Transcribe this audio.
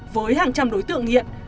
với hàng trăm đối tượng nghiện